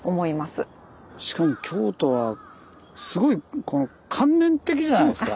しかも京都はすごい観念的じゃないですか。